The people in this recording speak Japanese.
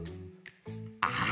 ああ！